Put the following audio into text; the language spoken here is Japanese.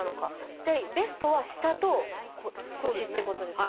じゃあベストは下と腰っていうことですか？